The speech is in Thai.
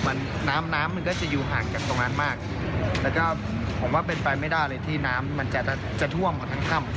มันน้ำน้ำมันก็จะอยู่ห่างจากตรงนั้นมากแล้วก็ผมว่าเป็นไปไม่ได้เลยที่น้ำมันจะจะท่วมมาทั้งถ้ำ